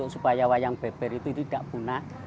supaya wayang beber itu tidak punah